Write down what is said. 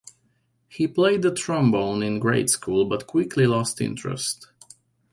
He played the trombone in grade school but quickly lost interest.